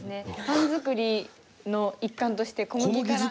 パン作りの一環として小麦から。